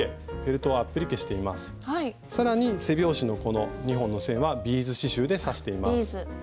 さらに背表紙のこの２本の線はビーズ刺しゅうで刺しています。